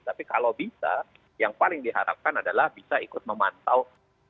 tapi kalau bisa yang paling diharapkan adalah bisa ikut memantau